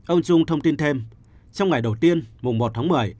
ông trung thông tin thêm trong ngày đầu tiên mùng một tháng một mươi